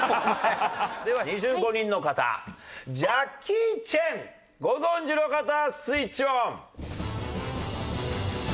では２５人の方ジャッキー・チェンご存じの方スイッチオン！